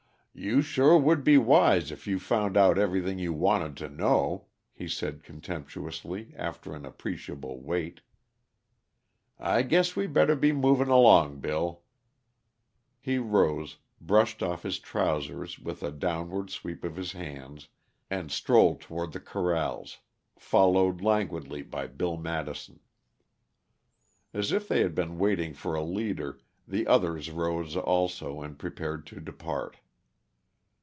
"You sure would be wise, if you found out everything you wanted to know," he said contemptuously, after an appreciable Wait. "I guess we better be moving along, Bill." He rose, brushed off his trousers with a downward sweep of his hands, and strolled toward the corrals, followed languidly by Bill Madison. As if they had been waiting for a leader, the others rose also and prepared to depart.